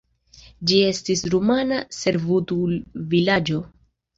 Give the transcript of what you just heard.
Ĝi estis rumana servutulvilaĝo.